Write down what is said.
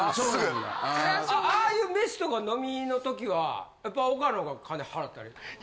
ああいう飯とか飲みの時はやっぱ岡野が金払ってあげてんの？